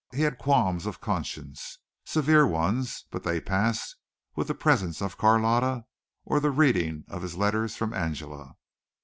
He had qualms of conscience, severe ones, but they passed with the presence of Carlotta or the reading of his letters from Angela.